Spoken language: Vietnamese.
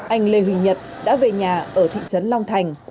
anh lê huy nhật đã về nhà ở thị trấn long thành